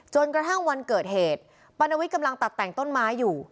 จนกระทั่งวันเกิดเหตุปานวิทย์กำลังตัดแต่งต้นไม้อยู่